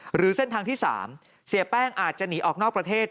หรือเส้นทางที่๓เสียแป้งอาจจะหนีออกนอกประเทศ